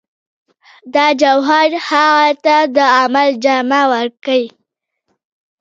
دا جوهر هغه ته د عمل جامه ورکوي